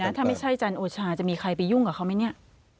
ถ้าไม่ใช่จันโอชาจะมีใครไปยุ่งกับเขาไหมเนี่ย